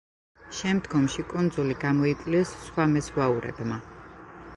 შემდგომში კუნძულები გამოიკვლიეს სხვა მეზღვაურებმა.